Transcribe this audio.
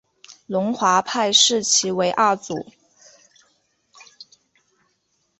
龙华派视其为二祖。